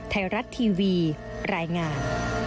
ไทยรัฐทีวีรายงาน